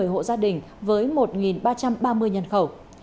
bốn trăm một mươi hộ gia đình với một ba trăm ba mươi nhân khẩu